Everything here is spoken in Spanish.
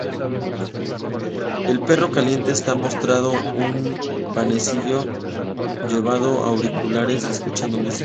El perro caliente está mostrado en un panecillo, llevando auriculares y escuchando música.